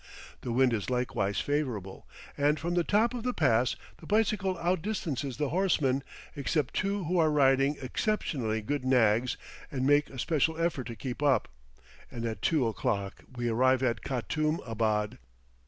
The wind is likewise favorable, and from the top of the pass the bicycle outdistances the horsemen, except two who are riding exceptionally good nags and make a special effort to keep up; and at two o'clock we arrive at Katoum abad.